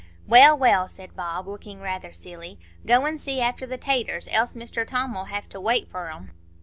"Well, well," said Bob, looking rather silly. "Go an' see after the taters, else Mr Tom 'ull have to wait for 'em."